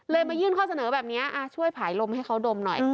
มายื่นข้อเสนอแบบนี้ช่วยผายลมให้เขาดมหน่อย